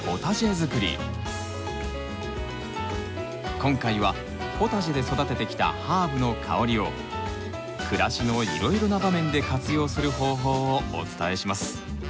今回はポタジェで育ててきたハーブの香りを暮らしのいろいろな場面で活用する方法をお伝えします。